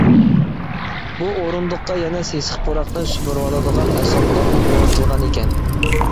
بۇ ئورۇندۇققا يەنە سېسىق پۇراقنى سۈمۈرۈۋالىدىغان ئەسۋابلارمۇ ئورنىتىلغانىكەن.